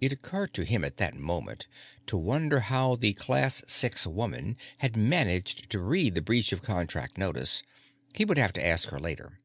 (It occurred to him at that moment to wonder how the Class Six woman had managed to read the Breach of Contract notice. He would have to ask her later.)